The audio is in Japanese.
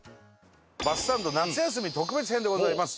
バスサンド夏休み特別編でございます。